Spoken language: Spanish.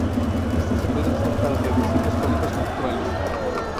Esta se puede usar para reducir los cólicos menstruales.